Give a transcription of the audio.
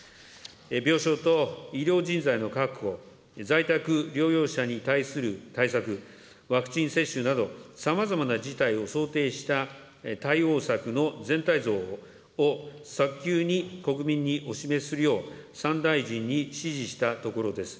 病床と医療人材の確保、在宅療養者に対する対策、ワクチン接種など、さまざまな事態を想定した対応策の全体像を早急に国民にお示しするよう３大臣に指示したところです。